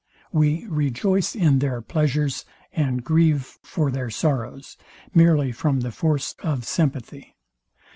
We rejoice in their pleasures, and grieve for their sorrows, merely from the force of sympathy.